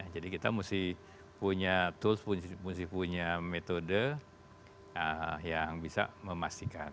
jadi kita mesti punya tools mesti punya metode yang bisa memastikan